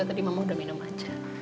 tadi mama udah minum aja